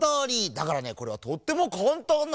だからねこれはとってもかんたんなんです。